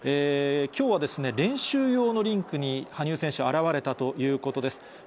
きょうは、練習用のリンクに羽生選手、現れたということです。